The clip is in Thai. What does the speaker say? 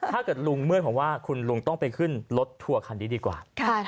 ถ้าเกิดลุงเมื่อยผมว่าคุณลุงต้องไปขึ้นรถทัวร์คันนี้ดีกว่า